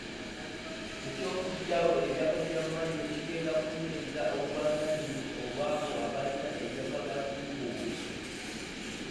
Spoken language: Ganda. Eky'okuggyawo ebyapa bya Mmayiro kigenda kunyweza obwannannyini obw'abo abalina ebyapa bya freehold.